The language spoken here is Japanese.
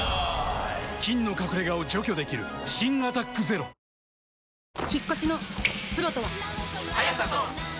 菌の隠れ家を除去できる新「アタックＺＥＲＯ」そんな顔して！